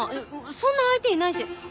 そんな相手いないし！